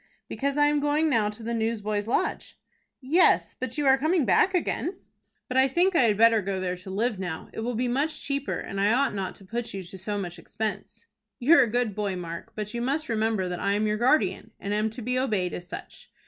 "Because I am going now to the Newsboys' Lodge." "Yes, but you are coming back again." "But I think I had better go there to live now. It will be much cheaper, and I ought not to put you to so much expense." "You're a good boy, Mark, but you must remember that I am your guardian, and am to be obeyed as such.